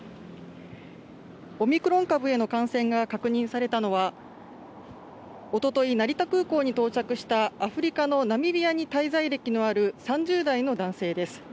オミクロン株への感染が確認されたのは、おととい、成田空港に到着した、アフリカのナミビアに滞在歴のある３０代の男性です。